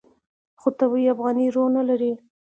خو طبیعي افغاني روح نه لري.